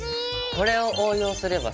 これを応用すればさ。